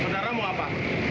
saudara mau apa